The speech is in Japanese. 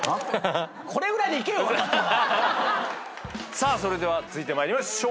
さあそれでは続いて参りましょう。